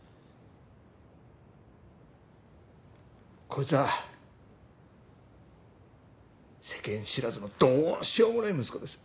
こいつは世間知らずのどうしようもない息子です。